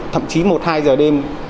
thậm chí một hai giờ đêm